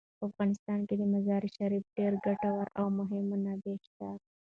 په افغانستان کې د مزارشریف ډیرې ګټورې او مهمې منابع شته.